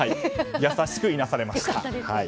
優しくいなされました。